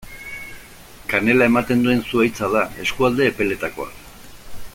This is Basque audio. Kanela ematen duen zuhaitza da, eskualde epeletakoa.